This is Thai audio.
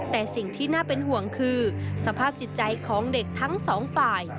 แต่สิ่งที่น่าเป็นห่วงคือสภาพจิตใจของเด็กทั้งสองฝ่าย